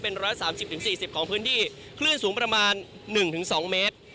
เป็นร้อยละสามสิบถึงสี่สิบของพื้นที่คลื่นสูงประมาณหนึ่งถึงสองเมตร